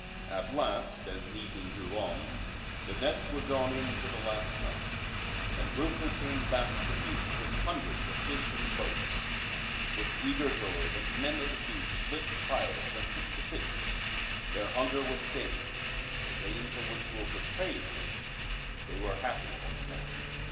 At last, as evening drew on, the nets were drawn in for the last time, and Wilfrid came back to the beach with hundreds of fish in the boats. With eager joy the Men of the Beach lit fires and cooked the fish. Their hunger was stayed; the rain for which Wilfrid prayed came. They were happy once more.